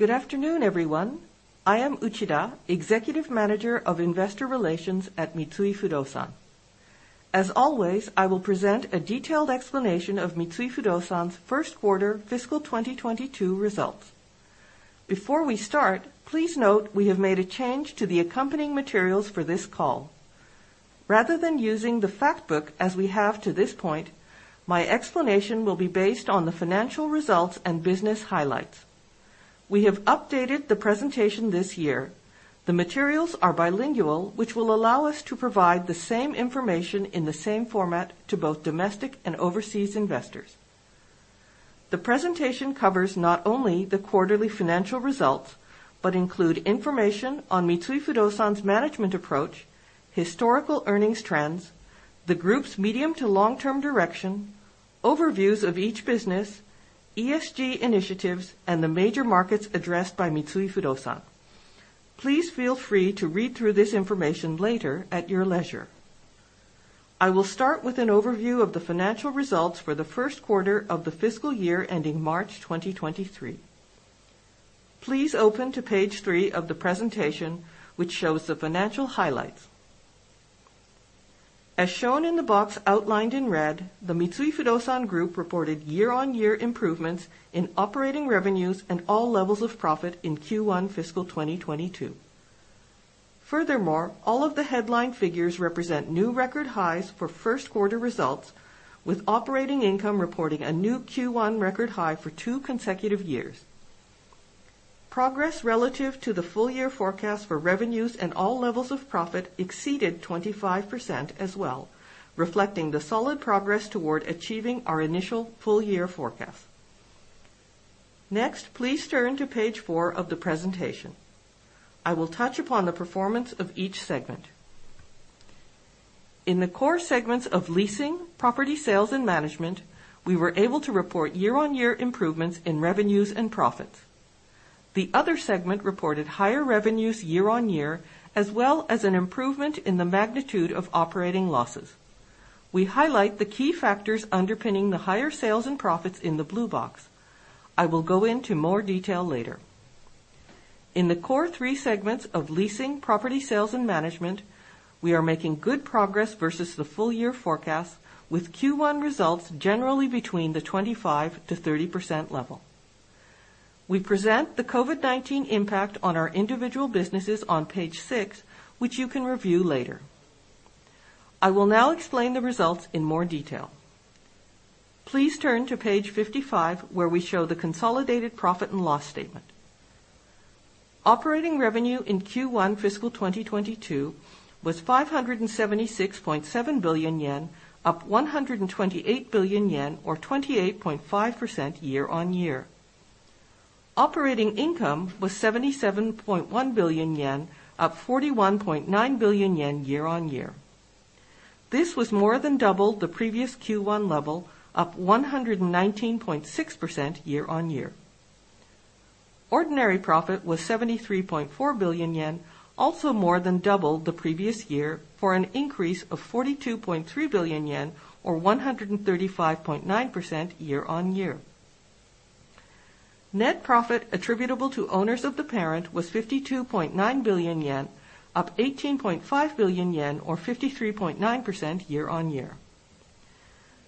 Good afternoon, everyone. I am Uchida, Executive Manager of Investor Relations at Mitsui Fudosan. As always, I will present a detailed explanation of Mitsui Fudosan's first quarter fiscal 2022 results. Before we start, please note we have made a change to the accompanying materials for this call. Rather than using the fact book as we have to this point, my explanation will be based on the financial results and business highlights. We have updated the presentation this year. The materials are bilingual, which will allow us to provide the same information in the same format to both domestic and overseas investors. The presentation covers not only the quarterly financial results, but include information on Mitsui Fudosan's management approach, historical earnings trends, the group's medium to long-term direction, overviews of each business, ESG initiatives, and the major markets addressed by Mitsui Fudosan. Please feel free to read through this information later at your leisure. I will start with an overview of the financial results for the first quarter of the fiscal year ending March 2023. Please open to page three of the presentation, which shows the financial highlights. As shown in the box outlined in red, the Mitsui Fudosan Group reported year-on-year improvements in operating revenues and all levels of profit in Q1 fiscal 2022. Furthermore, all of the headline figures represent new record highs for first quarter results, with operating income reporting a new Q1 record high for two consecutive years. Progress relative to the full year forecast for revenues and all levels of profit exceeded 25% as well, reflecting the solid progress toward achieving our initial full-year forecast. Next, please turn to page four of the presentation. I will touch upon the performance of each segment. In the core segments of leasing, property sales, and management, we were able to report year-on-year improvements in revenues and profits. The other segment reported higher revenues year-on-year, as well as an improvement in the magnitude of operating losses. We highlight the key factors underpinning the higher sales and profits in the blue box. I will go into more detail later. In the core three segments of leasing, property sales, and management, we are making good progress versus the full-year forecast with Q1 results generally between the 25%-30% level. We present the COVID-19 impact on our individual businesses on page six, which you can review later. I will now explain the results in more detail. Please turn to page 55, where we show the consolidated profit and loss statement. Operating revenue in Q1 fiscal 2022 was 576.7 billion yen, up 128 billion yen, or 28.5% year-on-year. Operating income was 77.1 billion yen, up 41.9 billion yen year-on-year. This was more than double the previous Q1 level, up 119.6% year-on-year. Ordinary profit was 73.4 billion yen, also more than double the previous year for an increase of 42.3 billion yen or 135.9% year-on-year. Net profit attributable to owners of the parent was 52.9 billion yen, up 18.5 billion yen or 53.9% year-on-year.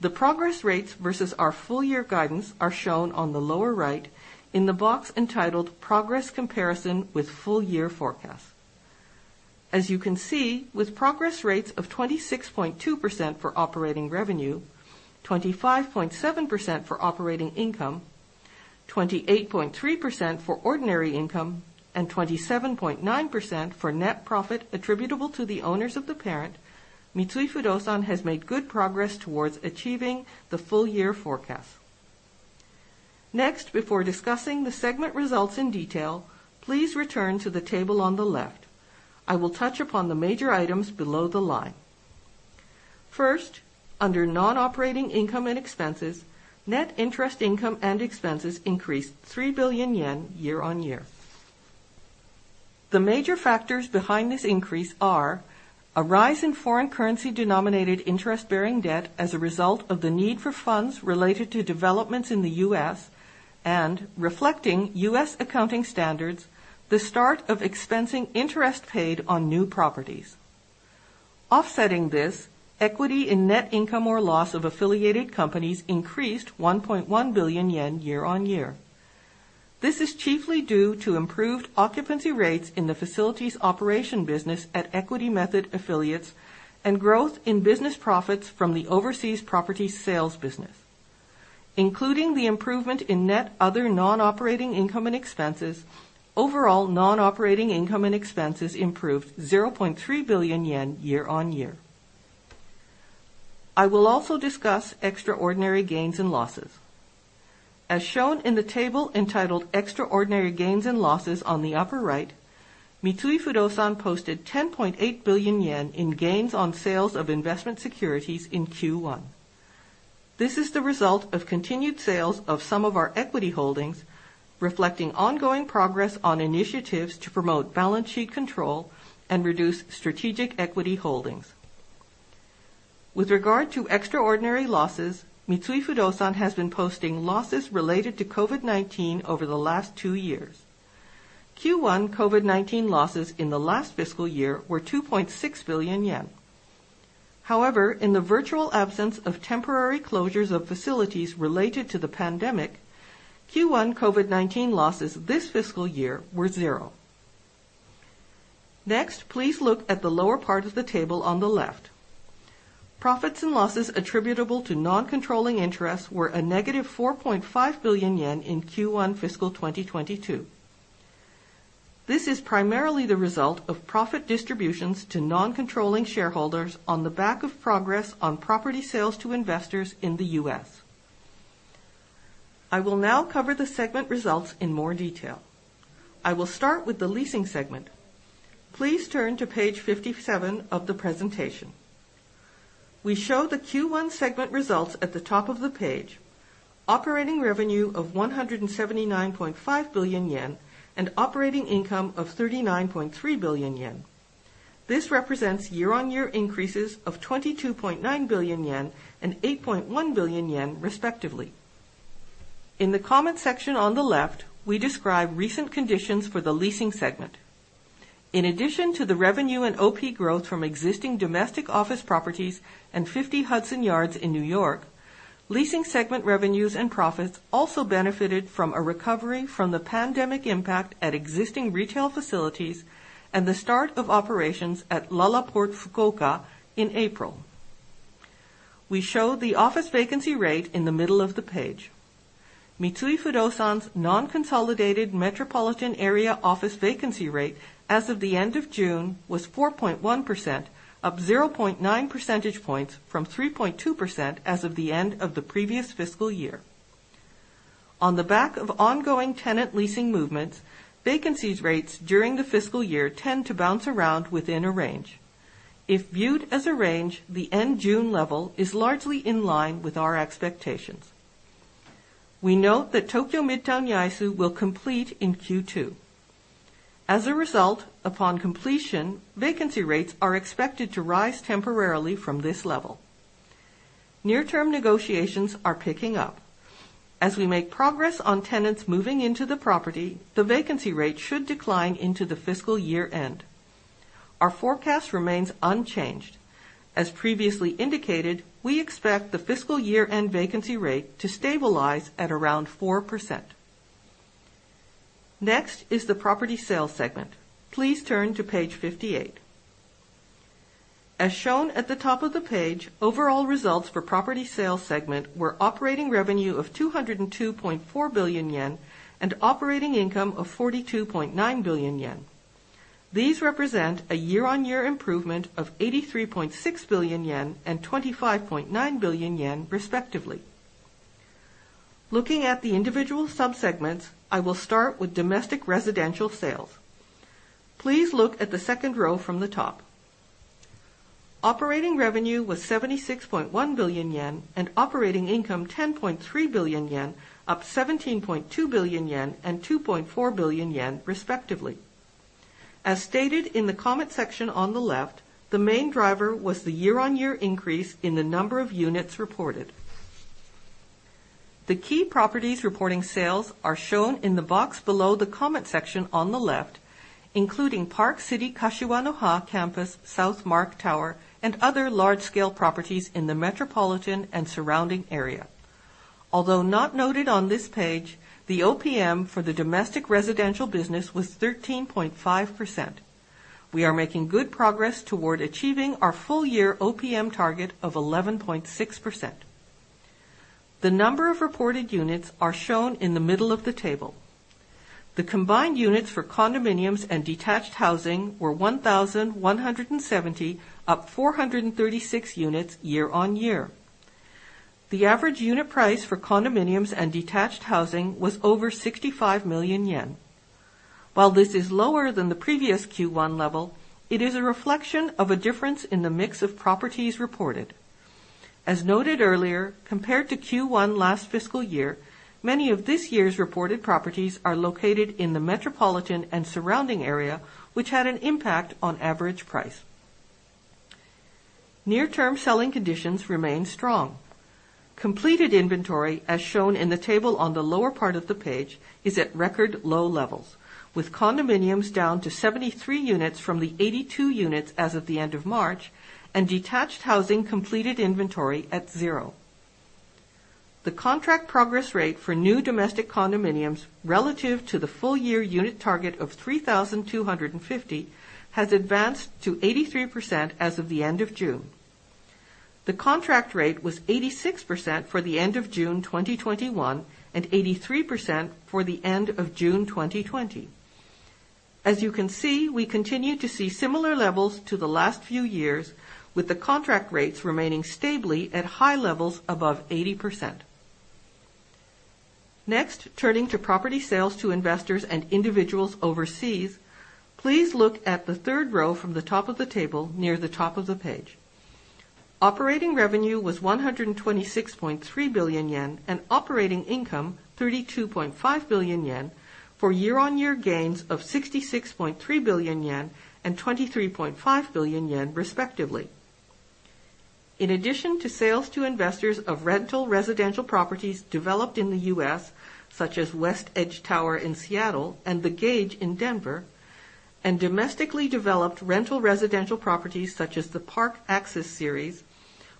The progress rates versus our full year guidance are shown on the lower right in the box entitled Progress Comparison with Full Year Forecast. As you can see, with progress rates of 26.2% for operating revenue, 25.7% for operating income, 28.3% for ordinary income, and 27.9% for net profit attributable to the owners of the parent, Mitsui Fudosan has made good progress towards achieving the full-year forecast. Next, before discussing the segment results in detail, please return to the table on the left. I will touch upon the major items below the line. First, under non-operating income and expenses, net interest income and expenses increased 3 billion yen year-on-year. The major factors behind this increase are a rise in foreign currency denominated interest-bearing debt as a result of the need for funds related to developments in the U.S. and reflecting U.S. accounting standards, the start of expensing interest paid on new properties. Offsetting this, equity in net income or loss of affiliated companies increased 1.1 billion yen year-on-year. This is chiefly due to improved occupancy rates in the facilities operation business at equity method affiliates and growth in business profits from the overseas property sales business. Including the improvement in net other non-operating income and expenses, overall non-operating income and expenses improved 0.3 billion yen year-on-year. I will also discuss extraordinary gains and losses. As shown in the table entitled Extraordinary Gains and Losses on the upper right, Mitsui Fudosan posted 10.8 billion yen in gains on sales of investment securities in Q1. This is the result of continued sales of some of our equity holdings, reflecting ongoing progress on initiatives to promote balance sheet control and reduce strategic equity holdings. With regard to extraordinary losses, Mitsui Fudosan has been posting losses related to COVID-19 over the last two years. Q1 COVID-19 losses in the last fiscal year were 2.6 billion yen. However, in the virtual absence of temporary closures of facilities related to the pandemic, Q1 COVID-19 losses this fiscal year were zero. Next, please look at the lower part of the table on the left. Profits and losses attributable to non-controlling interests were -4.5 billion yen in Q1 fiscal 2022. This is primarily the result of profit distributions to non-controlling shareholders on the back of progress on property sales to investors in the U.S. I will now cover the segment results in more detail. I will start with the leasing segment. Please turn to page 57 of the presentation. We show the Q1 segment results at the top of the page. Operating revenue of 179.5 billion yen and operating income of 39.3 billion yen. This represents year-on-year increases of 22.9 billion yen and 8.1 billion yen respectively. In the comment section on the left, we describe recent conditions for the leasing segment. In addition to the revenue and OP growth from existing domestic office properties and 50 Hudson Yards in New York, leasing segment revenues and profits also benefited from a recovery from the pandemic impact at existing retail facilities and the start of operations at LaLaport Fukuoka in April. We show the office vacancy rate in the middle of the page. Mitsui Fudosan's non-consolidated metropolitan area office vacancy rate as of the end of June was 4.1%, up 0.9 percentage points from 3.2% as of the end of the previous fiscal year. On the back of ongoing tenant leasing movements, vacancy rates during the fiscal year tend to bounce around within a range. If viewed as a range, the end June level is largely in line with our expectations. We note that Tokyo Midtown Yaesu will complete in Q2. As a result, upon completion, vacancy rates are expected to rise temporarily from this level. Near-term negotiations are picking up. As we make progress on tenants moving into the property, the vacancy rate should decline into the fiscal year-end. Our forecast remains unchanged. As previously indicated, we expect the fiscal year-end vacancy rate to stabilize at around 4%. Next is the property sales segment. Please turn to page 58. As shown at the top of the page, overall results for property sales segment were operating revenue of 202.4 billion yen and operating income of 42.9 billion yen. These represent a year-on-year improvement of 83.6 billion yen and 25.9 billion yen respectively. Looking at the individual sub-segments, I will start with domestic residential sales. Please look at the second row from the top. Operating revenue was 76.1 billion yen and operating income 10.3 billion yen, up 17.2 billion yen and 2.4 billion yen respectively. As stated in the comment section on the left, the main driver was the year-on-year increase in the number of units reported. The key properties reporting sales are shown in the box below the comment section on the left, including Park City Kashiwanoha Campus South Mark Tower and other large scale properties in the metropolitan and surrounding area. Although not noted on this page, the OPM for the domestic residential business was 13.5%. We are making good progress toward achieving our full year OPM target of 11.6%. The number of reported units are shown in the middle of the table. The combined units for condominiums and detached housing were 1,170, up 436 units year-on-year. The average unit price for condominiums and detached housing was over 65 million yen. While this is lower than the previous Q1 level, it is a reflection of a difference in the mix of properties reported. As noted earlier, compared to Q1 last fiscal year, many of this year's reported properties are located in the metropolitan and surrounding area, which had an impact on average price. Near-term selling conditions remain strong. Completed inventory, as shown in the table on the lower part of the page, is at record low levels, with condominiums down to 73 units from the 82 units as of the end of March, and detached housing completed inventory at zero. The contract progress rate for new domestic condominiums relative to the full year unit target of 3,250 has advanced to 83% as of the end of June. The contract rate was 86% for the end of June 2021 and 83% for the end of June 2020. As you can see, we continue to see similar levels to the last few years, with the contract rates remaining stably at high levels above 80%. Next, turning to property sales to investors and individuals overseas, please look at the third row from the top of the table near the top of the page. Operating revenue was 126.3 billion yen and operating income 32.5 billion yen for year-on-year gains of 66.3 billion yen and 23.5 billion yen respectively. In addition to sales to investors of rental residential properties developed in the U.S., such as West Edge Tower in Seattle and The Gage in Denver, and domestically developed rental residential properties such as the Park Axis series,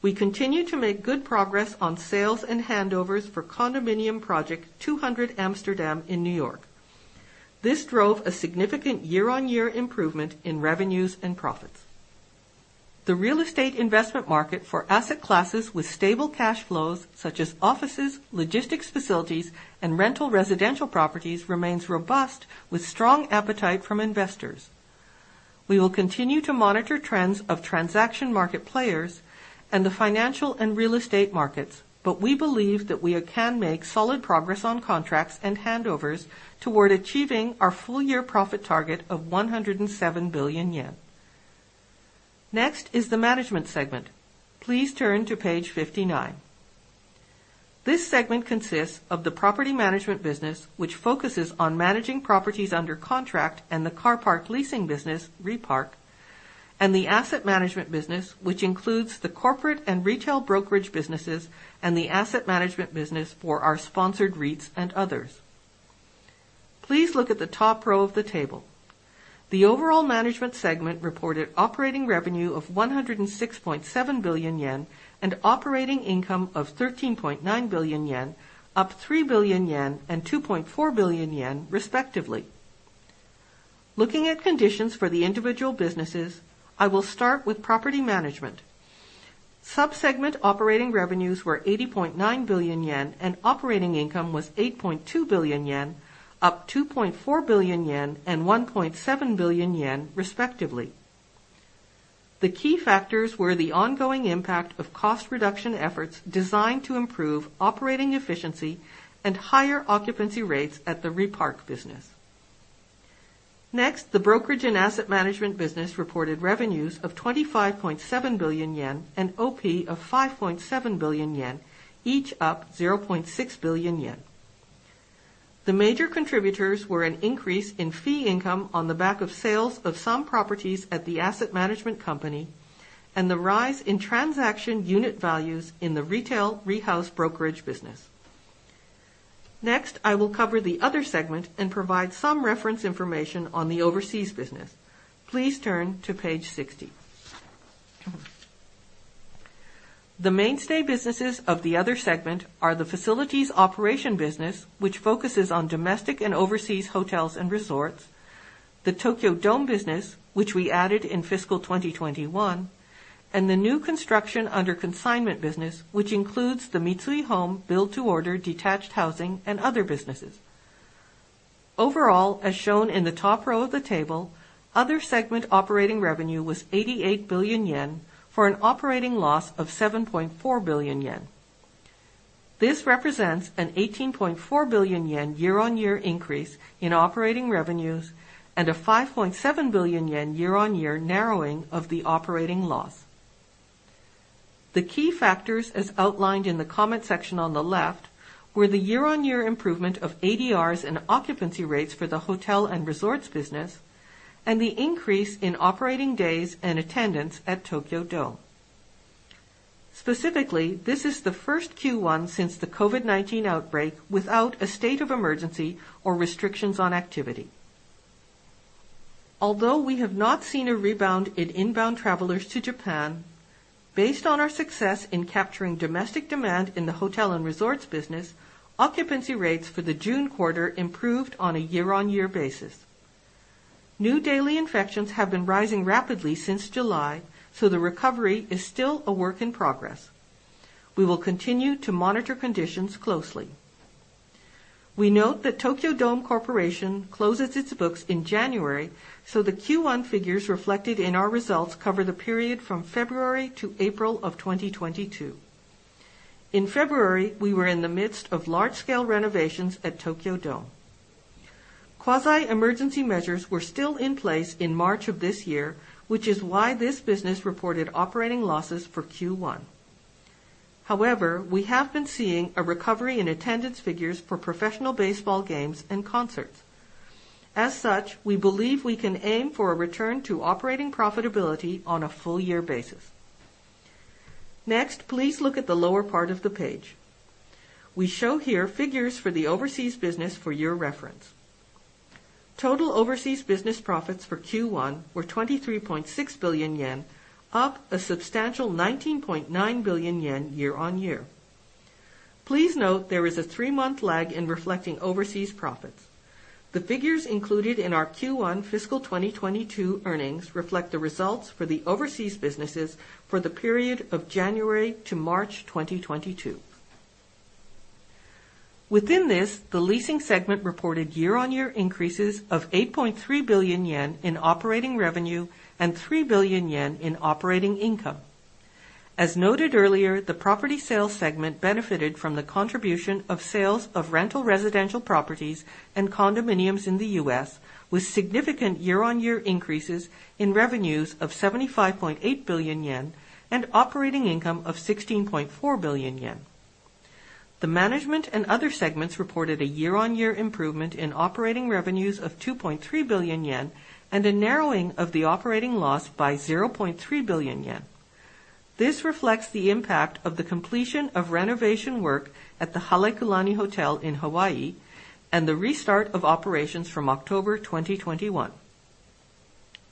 we continue to make good progress on sales and handovers for condominium project 200 Amsterdam in New York. This drove a significant year-on-year improvement in revenues and profits. The real estate investment market for asset classes with stable cash flows such as offices, logistics facilities, and rental residential properties remains robust with strong appetite from investors. We will continue to monitor trends of transaction market players and the financial and real estate markets, but we believe that we can make solid progress on contracts and handovers toward achieving our full year profit target of 107 billion yen. Next is the management segment. Please turn to page 59. This segment consists of the property management business, which focuses on managing properties under contract and the car park leasing business, Repark, and the asset management business, which includes the corporate and retail brokerage businesses and the asset management business for our sponsored REITs and others. Please look at the top row of the table. The overall management segment reported operating revenue of 106.7 billion yen and operating income of 13.9 billion yen, up 3 billion yen and 2.4 billion yen, respectively. Looking at conditions for the individual businesses, I will start with property management. Sub-segment operating revenues were 80.9 billion yen, and operating income was 8.2 billion yen, up 2.4 billion yen and 1.7 billion yen, respectively. The key factors were the ongoing impact of cost reduction efforts designed to improve operating efficiency and higher occupancy rates at the Repark business. Next, the brokerage and asset management business reported revenues of 25.7 billion yen, and OP of 5.7 billion yen, each up 0.6 billion yen. The major contributors were an increase in fee income on the back of sales of some properties at the asset management company and the rise in transaction unit values in the retail Rehouse brokerage business. Next, I will cover the other segment and provide some reference information on the overseas business. Please turn to page 60. The mainstay businesses of the other segment are the facilities operation business, which focuses on domestic and overseas hotels and resorts, the Tokyo Dome business, which we added in fiscal 2021, and the new construction under consignment business, which includes the Mitsui Home build-to-order detached housing and other businesses. Overall, as shown in the top row of the table, other segment operating revenue was 88 billion yen for an operating loss of 7.4 billion yen. This represents a 18.4 billion yen year-on-year increase in operating revenues and a 5.7 billion yen year-on-year narrowing of the operating loss. The key factors, as outlined in the comment section on the left, were the year-on-year improvement of ADRs and occupancy rates for the hotel and resorts business and the increase in operating days and attendance at Tokyo Dome. Specifically, this is the first Q1 since the COVID-19 outbreak without a state of emergency or restrictions on activity. Although we have not seen a rebound in inbound travelers to Japan, based on our success in capturing domestic demand in the hotel and resorts business, occupancy rates for the June quarter improved on a year-on-year basis. New daily infections have been rising rapidly since July, so the recovery is still a work in progress. We will continue to monitor conditions closely. We note that Tokyo Dome Corporation closes its books in January, so the Q1 figures reflected in our results cover the period from February to April of 2022. In February, we were in the midst of large-scale renovations at Tokyo Dome. Quasi-emergency measures were still in place in March of this year, which is why this business reported operating losses for Q1. However, we have been seeing a recovery in attendance figures for professional baseball games and concerts. As such, we believe we can aim for a return to operating profitability on a full year basis. Next, please look at the lower part of the page. We show here figures for the overseas business for your reference. Total overseas business profits for Q1 were 23.6 billion yen, up a substantial 19.9 billion yen year-on-year. Please note there is a three-month lag in reflecting overseas profits. The figures included in our Q1 fiscal 2022 earnings reflect the results for the overseas businesses for the period of January to March 2022. Within this, the leasing segment reported year-on-year increases of 8.3 billion yen in operating revenue and 3 billion yen in operating income. As noted earlier, the property sales segment benefited from the contribution of sales of rental residential properties and condominiums in the U.S., with significant year-on-year increases in revenues of 75.8 billion yen and operating income of 16.4 billion yen. The management and other segments reported a year-on-year improvement in operating revenues of 2.3 billion yen and a narrowing of the operating loss by 0.3 billion yen. This reflects the impact of the completion of renovation work at the Halekulani Hotel in Hawaii and the restart of operations from October 2021.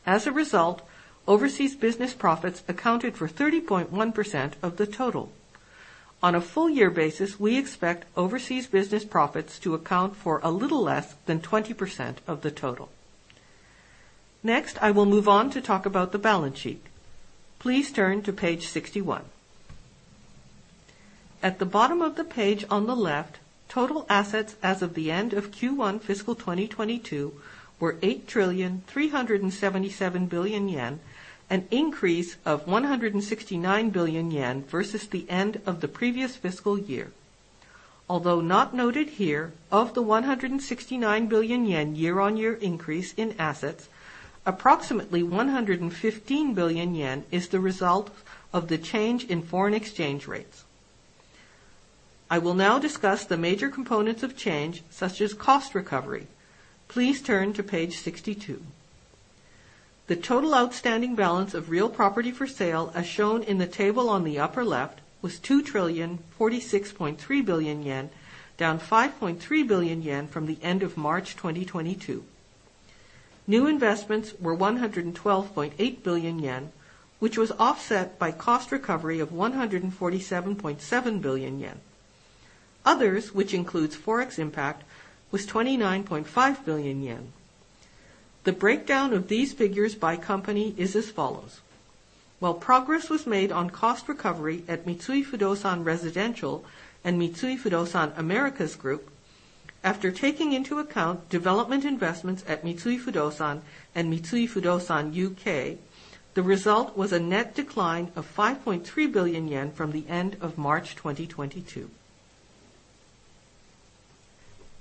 As a result, overseas business profits accounted for 30.1% of the total. On a full year basis, we expect overseas business profits to account for a little less than 20% of the total. Next, I will move on to talk about the balance sheet. Please turn to page 61. At the bottom of the page on the left, total assets as of the end of Q1 fiscal 2022 were 8,377 billion yen, an increase of 169 billion yen versus the end of the previous fiscal year. Although not noted here, of the 169 billion yen year-on-year increase in assets, approximately 115 billion yen is the result of the change in foreign exchange rates. I will now discuss the major components of change, such as cost recovery. Please turn to page 62. The total outstanding balance of real property for sale, as shown in the table on the upper left, was 2,046.3 billion yen, down 5.3 billion yen from the end of March 2022. New investments were 112.8 billion yen, which was offset by cost recovery of 147.7 billion yen. Others, which includes Forex impact, was 29.5 billion yen. The breakdown of these figures by company is as follows. While progress was made on cost recovery at Mitsui Fudosan Residential and Mitsui Fudosan Americas group, after taking into account development investments at Mitsui Fudosan and Mitsui Fudosan U.K., the result was a net decline of 5.3 billion yen from the end of March 2022.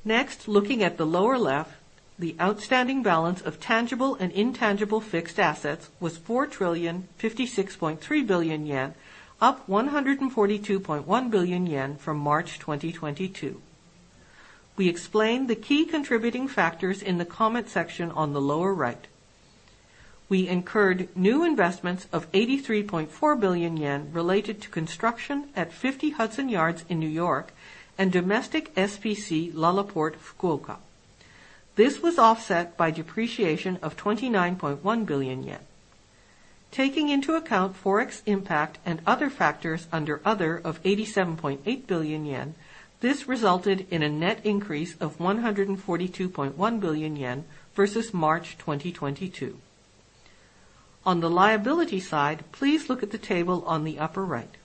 Next, looking at the lower left, the outstanding balance of tangible and intangible fixed assets was 4,056.3 billion yen, up 142.1 billion yen from March 2022. We explained the key contributing factors in the comment section on the lower right. We incurred new investments of 83.4 billion yen related to construction at 50 Hudson Yards in New York and domestic SPC LaLaport Fukuoka. This was offset by depreciation of 29.1 billion yen. Taking into account Forex impact and other factors under other of 87.8 billion yen, this resulted in a net increase of 142.1 billion yen versus March 2022. On the liability side, please look at the table on the upper right.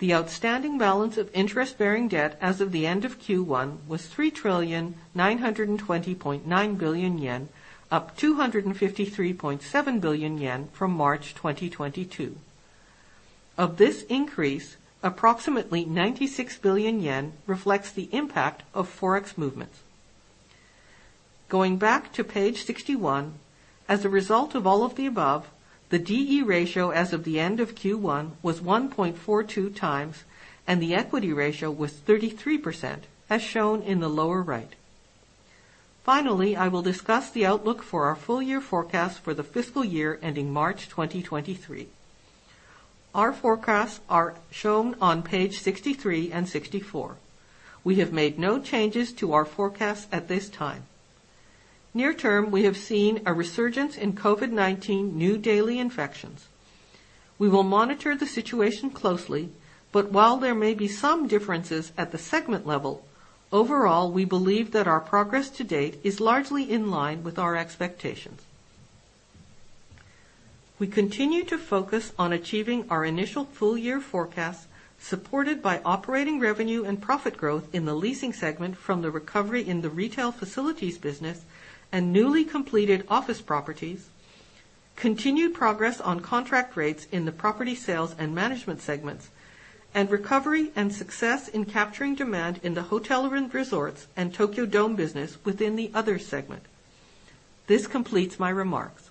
The outstanding balance of interest-bearing debt as of the end of Q1 was 3,920.9 billion yen, up 253.7 billion yen from March 2022. Of this increase, approximately 96 billion yen reflects the impact of Forex movements. Going back to page 61, as a result of all of the above, the D/E ratio as of the end of Q1 was 1.42x, and the equity ratio was 33%, as shown in the lower right. Finally, I will discuss the outlook for our full year forecast for the fiscal year ending March 2023. Our forecasts are shown on pages 63 and 64. We have made no changes to our forecasts at this time. Near term, we have seen a resurgence in COVID-19 new daily infections. We will monitor the situation closely. While there may be some differences at the segment level, overall, we believe that our progress to date is largely in line with our expectations. We continue to focus on achieving our initial full year forecast, supported by operating revenue and profit growth in the leasing segment from the recovery in the retail facilities business and newly completed office properties, continued progress on contract rates in the property sales and management segments, and recovery and success in capturing demand in the hotel and resorts and Tokyo Dome business within the other segment. This completes my remarks.